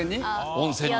温泉に。